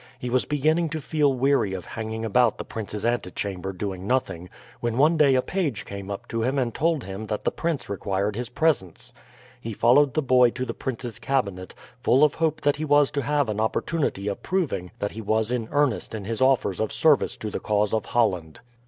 He was beginning to feel weary of hanging about the prince's antechamber doing nothing, when one day a page came up to him and told him that the prince required his presence. He followed the boy to the prince's cabinet, full of hope that he was to have an opportunity of proving that he was in earnest in his offers of service to the cause of Holland.